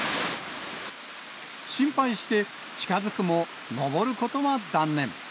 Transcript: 心配して近づくも、上ることは断念。